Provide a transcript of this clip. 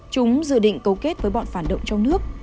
chúng dự định cấu kết với bọn phản động trong nước